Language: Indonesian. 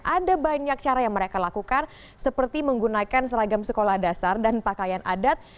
ada banyak cara yang mereka lakukan seperti menggunakan seragam sekolah dasar dan pakaian adat